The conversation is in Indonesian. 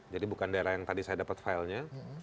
jadi bukan daerah yang tadi saya dapat filenya